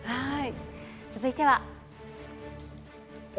続いては。